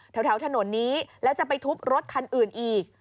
แถวถนนนี้แล้วจะไปทุบรถคันอื่นอีก